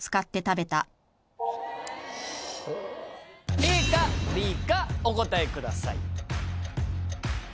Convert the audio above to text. ＡかＢかお答えください。